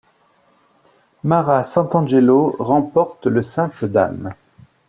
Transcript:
Mara Santangelo remporte le simple dames.